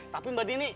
tapi mbak dini